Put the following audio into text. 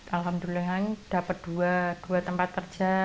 alhamdulillahnya dapat dua tempat kerja